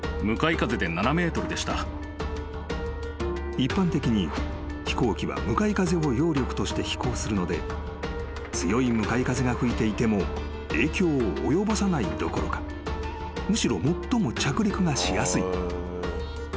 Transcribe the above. ［一般的に飛行機は向かい風を揚力として飛行するので強い向かい風が吹いていても影響を及ぼさないどころかむしろ最も着陸がしやすい］